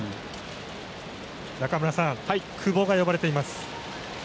中村さん久保が呼ばれています。